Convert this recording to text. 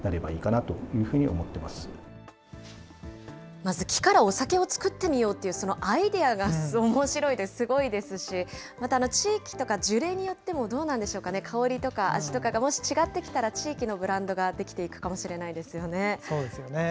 まず木からお酒を造ってみようという、そのアイデアがおもしろいですし、すごいですし、また地域とか樹齢によってもどうなんでしょうかね、香りとか味とかがもし違ってきたら地域のブランドが出来ていくかそうですよね。